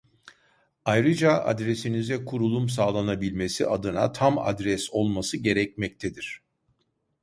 Ayrıca adresinize kurulum sağlanabilmesi adına tam adres olması gerekmektedir